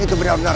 aku akan menang